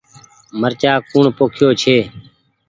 مرچآ ڪوڻ پوکيو ڇي۔